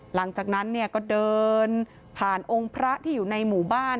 หลังจากนั้นเนี่ยก็เดินผ่านองค์พระที่อยู่ในหมู่บ้าน